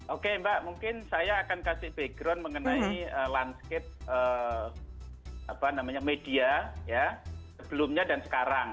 oke mbak mungkin saya akan kasih background mengenai landscape media sebelumnya dan sekarang